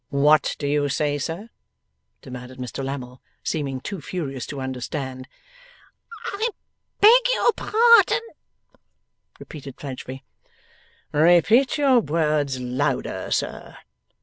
'What do you say, sir?' demanded Mr Lammle, seeming too furious to understand. 'I beg your pardon,' repeated Fledgeby. 'Repeat your words louder, sir.